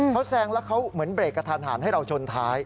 เขาแซงแล้วเขาเหมือนเบรกกระทันหันให้เราชนท้าย